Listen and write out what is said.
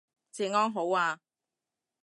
治安好啊